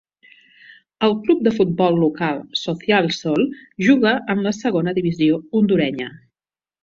El club de futbol local, Social Sol, juga en la segona divisió hondurenya.